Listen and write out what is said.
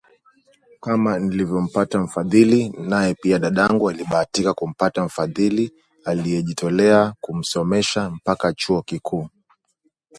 Kama nilivyompata mfadhili, naye pia dadangu alibahatika kumpata mfadhili aliyejitolea kumsomesha mpaka chuo kikuu